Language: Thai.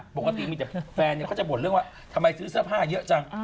ปกติมีแต่แฟนเขาจะบ่นเรื่องว่าทำไมซื้อเสื้อผ้าเยอะจัง